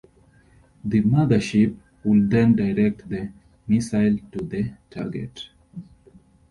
The 'mothership' would then direct the missile to the target.